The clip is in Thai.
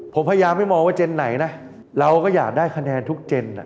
ผมพยายามไม่มองว่าเจนไหนนะเราก็อยากได้คะแนนทุกเจน